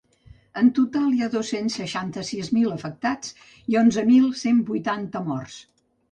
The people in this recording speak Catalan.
En total hi ha dos-cents seixanta-sis mil afectats i onzen mil cent vuitanta morts.